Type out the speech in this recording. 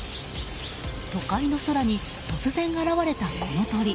都会の空に突然現れた、この鳥。